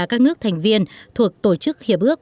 các nước thành viên thuộc tổ chức hiệp ước